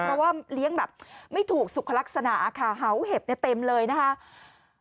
เพราะว่าเลี้ยงแบบไม่ถูกสุขลักษณะค่ะเห่าเห็บเต็มเลยนะคะ